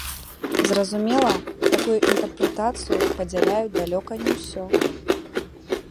Зразумела, такую інтэрпрэтацыю падзяляюць далёка не ўсё.